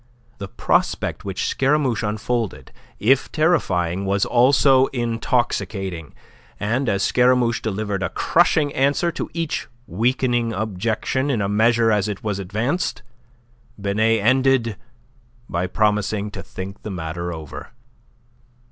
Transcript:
The prospect which Scaramouche unfolded, if terrifying, was also intoxicating, and as Scaramouche delivered a crushing answer to each weakening objection in a measure as it was advanced, Binet ended by promising to think the matter over.